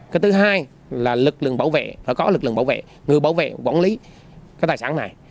cái thứ hai là lực lượng bảo vệ phải có lực lượng bảo vệ người bảo vệ quản lý cái tài sản này